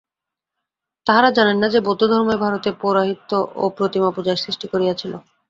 তাঁহারা জানেন না যে, বৌদ্ধধর্মই ভারতে পৌরোহিত্য ও প্রতিমাপূজার সৃষ্টি করিয়াছিল।